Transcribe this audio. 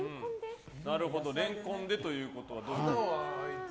レンコンでということはどういうことですか？